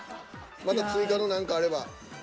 まだ追加の何かあれば。